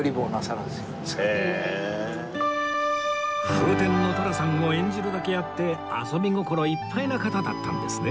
フーテンの寅さんを演じるだけあって遊び心いっぱいな方だったんですね